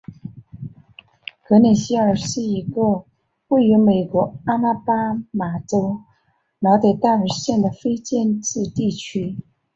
格林希尔是一个位于美国阿拉巴马州劳德代尔县的非建制地区。